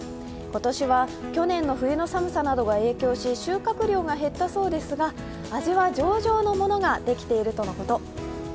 今年は去年の冬の寒さなどが影響し収穫量が減ったそうですが味は上々のものができているとのこと。